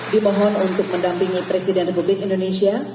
dimohon untuk mendampingi presiden republik indonesia